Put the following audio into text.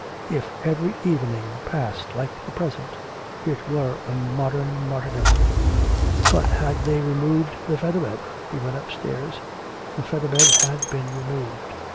If every evening passed like the present, it were a modern martyrdom.... But had they removed the feather bed? He went upstairs. The feather bed had been removed.